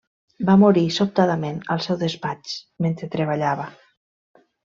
Va morir sobtadament al seu despatx mentre treballava.